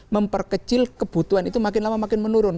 memperkecil kebutuhan itu makin lama makin menurun